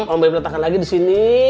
om boim letakkan lagi di sini